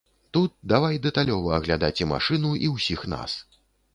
Тут давай дэталёва аглядаць і машыну, і ўсіх нас.